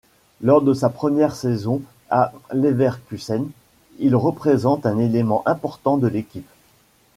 Lors de sa première saison à Leverkusen, il représente un élément important de l'équipe.